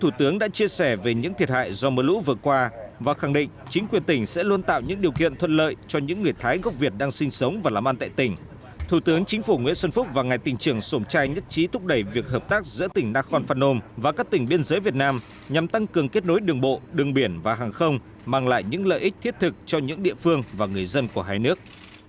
thủ tướng chia sẻ với ngày tỉnh trưởng về những thiệt hại do mưa lũ vừa qua tại tỉnh nakhon phanom và tin tưởng rằng người dân sẽ sớm vượt qua khó khăn và ổn định cuộc sống